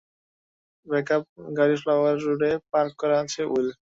Backup গাড়ি flower রোডে park করা আছে, উইল।